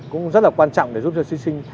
cũng rất là quan trọng để giúp cho thí sinh